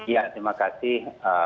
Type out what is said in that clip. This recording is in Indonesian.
ya terima kasih